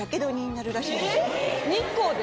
日光で？